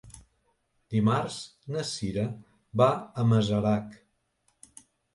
Dimarts na Cira va a Masarac.